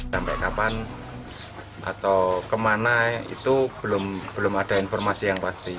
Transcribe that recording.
sampai kapan atau kemana itu belum ada informasi yang pasti